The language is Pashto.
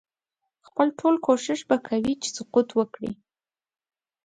خپل ټول کوښښ به کوي چې سقوط وکړي.